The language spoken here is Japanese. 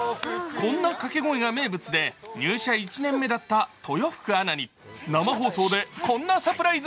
こんなかけ声が名物で、入社１年目だった豊福アナに生放送でこんなサプライズ。